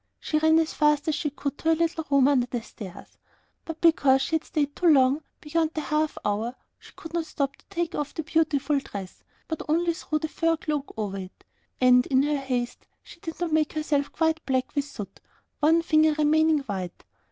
She ran as fast as she could to her little room under the stairs, but because she had stayed too long beyond the half hour, she could not stop to take off the beautiful dress, but only threw the fur cloak over it, and in her haste she did not make herself quite black with the soot, one finger remaining white.